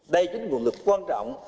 đây chính là nguồn lực quan trọng